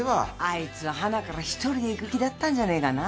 あいつははなから一人で行く気だったんじゃねえかな。